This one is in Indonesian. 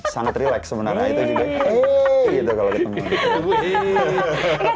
sangat relax sebenarnya itu juga gitu kalau ditemukan